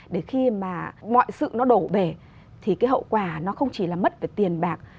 để khi mà mọi sự nó đổ bể thì cái hậu quả nó không chỉ là mất về tiền bạc